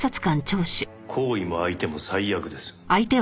行為も相手も最悪です。